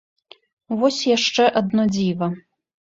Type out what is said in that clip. Вось яшчэ адно дзіва.